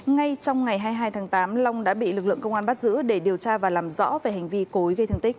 ngay trong ngày hai mươi hai tháng tám long đã bị lực lượng công an bắt giữ để điều tra và làm rõ về hành vi cối gây thương tích